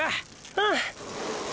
うん！！